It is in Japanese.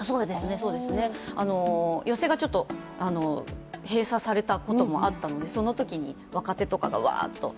そうですね、寄席が閉鎖されたこともあったので、そのときに若手とかがわーっと。